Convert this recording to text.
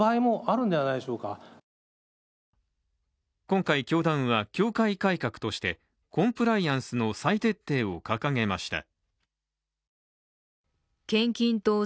今回教団は、教会改革としてコンプライアンスの再徹底を掲げました。